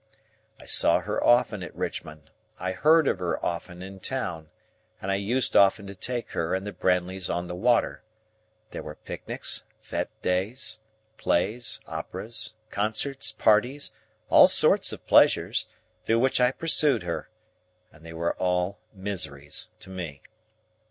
I saw her often at Richmond, I heard of her often in town, and I used often to take her and the Brandleys on the water; there were picnics, fête days, plays, operas, concerts, parties, all sorts of pleasures, through which I pursued her,—and they were all miseries to me.